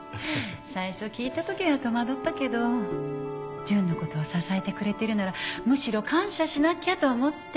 最初聞いた時は戸惑ったけど純の事を支えてくれてるならむしろ感謝しなきゃと思って。